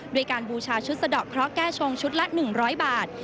โดยการบูชาชุดสะดอกเคราะห์แก้ชงชุดละ๑๐๐บาท